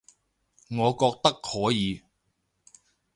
我覺得可以